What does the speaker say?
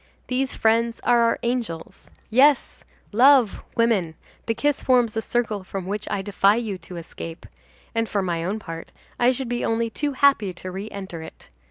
These friends are our angels. Yes, love, woman, the kiss forms a circle from which I defy you to escape; and, for my own part, I should be only too happy to re enter it.